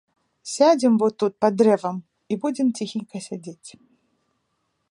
Сядзем во тут, пад дрэвам, і будзем ціхенька сядзець.